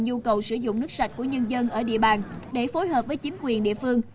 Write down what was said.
nhu cầu sử dụng nước sạch của nhân dân ở địa bàn để phối hợp với chính quyền địa phương